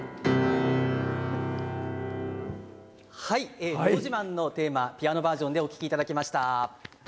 はい、のど自慢のテーマ、ピアノバージョンでお聴きいただきました。